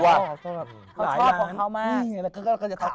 เขาชอบของเขาไหม